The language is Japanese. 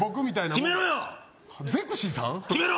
決めろよ